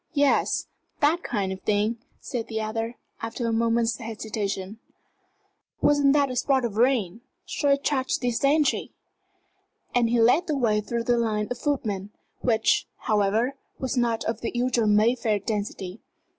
"Yes that kind of thing," said the other, after a moment's hesitation. "Wasn't that a spot of rain? Shall I charge these gentry?" And he led the way through the line of footmen, which, however, was not of the usual Mayfair density.